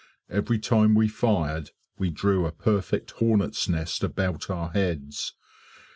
Every time we fired we drew a perfect hornet's nest about our heads.